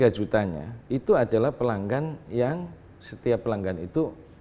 tiga jutanya itu adalah pelanggan yang setiap pelanggan itu